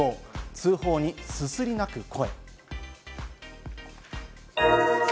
通報にすすり泣く声。